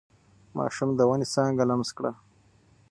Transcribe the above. ماشوم د ونې څانګه لمس کړه.